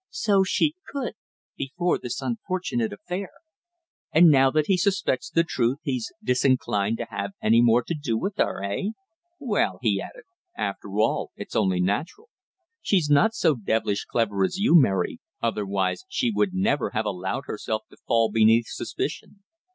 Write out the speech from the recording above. "So she could before this unfortunate affair." "And now that he suspects the truth he's disinclined to have any more to do with her eh? Well," he added, "after all, it's only natural. She's not so devilish clever as you, Mary, otherwise she would never have allowed herself to fall beneath suspicion.